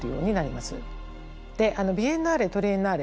ビエンナーレトリエンナーレ